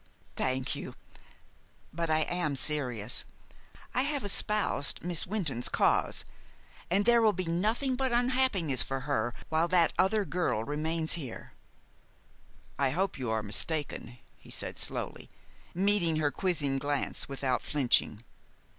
"Thank you. But I am serious. I have espoused Miss Wynton's cause, and there will be nothing but unhappiness for her while that other girl remains here." "I hope you are mistaken," he said slowly, meeting her quizzing glance without flinching.